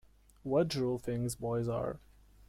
What droll things boys are!